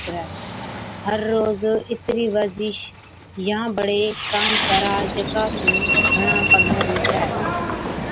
هر روز اِترِي ورزش يان بڙي ڪام ڪرا جڪا سُون گھڻا پگھر نِڪرَي۔